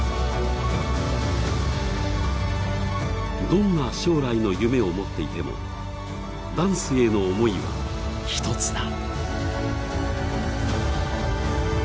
どんな将来の夢を持っていてもダンスへの思いは一つだ。